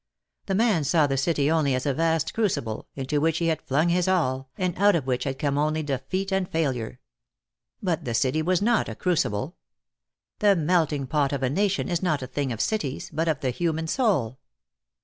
The man saw the city only as a vast crucible, into which he had flung his all, and out of which had come only defeat and failure. But the city was not a crucible. The melting pot of a nation is not a thing of cities, but of the human soul.